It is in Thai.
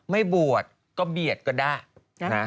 ไม่บวชก็เบียดก็ได้นะ